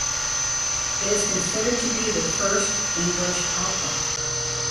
It is considered to be the first English opera.